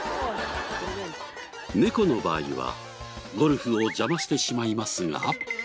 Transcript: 猫の場合はゴルフを邪魔してしまいますが。